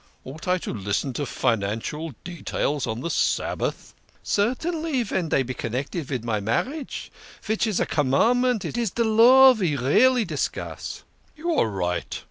" Ought I to listen to financial details on the Sabbath ?"" Certainly, ven dey be connected vid my marriage vich is a Commandment. It is de Law ve really discuss." "You are right.